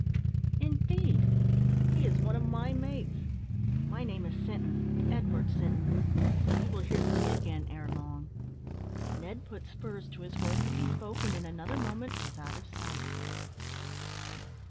"Indeed! he is one of my mates. My name is Sinton Edward Sinton; you shall hear from me again ere long." Ned put spurs to his horse as he spoke, and in another moment was out of sight.